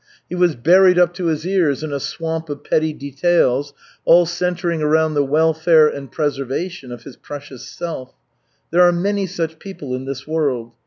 He was buried up to his ears in a swamp of petty details, all centering around the welfare and preservation of his precious self. There are many such people in this world.